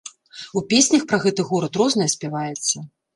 У песнях пра гэты горад рознае спяваецца.